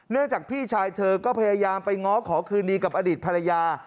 จากพี่ชายเธอก็พยายามไปง้อขอคืนดีกับอดีตภรรยา